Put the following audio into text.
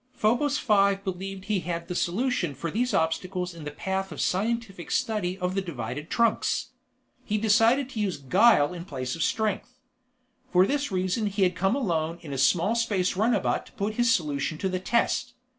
Probos Five believed he had the solution for these obstacles in the path of scientific study of the divided trunks. He had decided to use guile in place of strength. For this reason he had come alone and in a small space runabout to put his solution to the test.